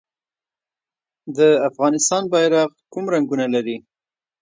د افغانستان بیرغ کوم رنګونه لري؟